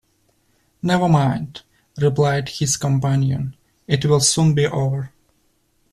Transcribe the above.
‘Never mind,’ replied his companion, ‘it will soon be over'.